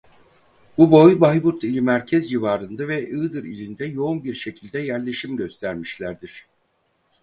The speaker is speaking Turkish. Bu boy Bayburt ili merkez civarında ve Iğdır ilinde yoğun bir şekilde yerleşim göstermişlerdir.